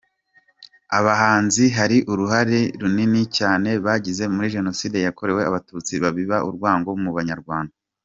Abahanzi hari uruhare runini cyane bagize muri Jenoside yakorewe Abatutsi babiba urwango mu Banyarwanda.